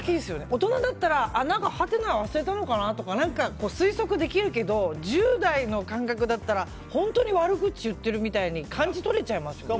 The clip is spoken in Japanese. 大人だったら、何かハテナ忘れたのかなとか推測できるけど１０代の感覚だったら本当に悪口言ってるみたいに感じ取れちゃいますよね。